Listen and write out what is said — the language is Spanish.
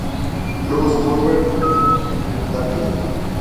Louise Colbert in em "Target".